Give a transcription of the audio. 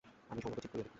আমি সমস্ত ঠিক করিয়া দিব।